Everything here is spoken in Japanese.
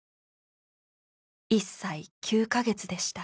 １歳９カ月でした。